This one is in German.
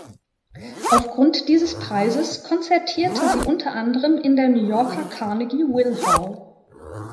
Aufgrund dieses Preises konzertierte sie unter anderem in der New Yorker Carnegie Weill Hall.